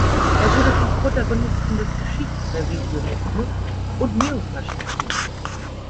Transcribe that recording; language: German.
Er wurde zum Protagonisten des Geschichtsrevisionismus und Neofaschismus.